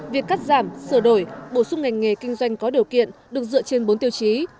việc cắt giảm sửa đổi bổ sung ngành nghề kinh doanh có điều kiện được dựa trên bốn tiêu chí